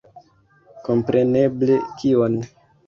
Kompreneble, kion!